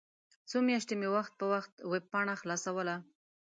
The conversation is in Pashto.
څو میاشتې مې وخت په وخت ویبپاڼه خلاصوله.